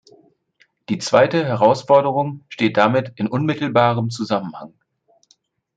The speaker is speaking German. Die zweite Herausforderung steht damit in unmittelbarem Zusammenhang.